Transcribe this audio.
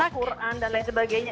al quran dan lain sebagainya